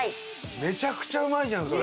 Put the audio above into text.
めちゃくちゃうまいじゃんそれ。